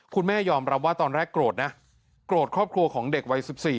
คุณแม่ยอมรับว่าตอนแรกโกรธนะโกรธครอบครัวของเด็กวัย๑๔